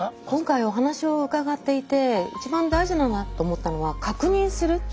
今回お話を伺っていて一番大事だろうなと思ったのは確認する。